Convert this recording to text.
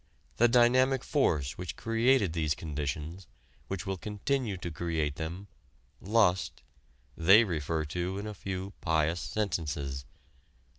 The dynamic force which created these conditions, which will continue to create them lust they refer to in a few pious sentences.